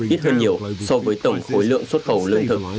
ít hơn nhiều so với tổng khối lượng xuất khẩu lương thực